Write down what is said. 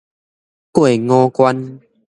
過五關